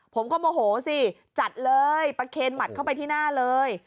โมโหสิจัดเลยประเคนหมัดเข้าไปที่หน้าเลย